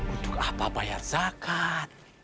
untuk apa bayar zakat